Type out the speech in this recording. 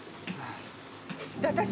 私。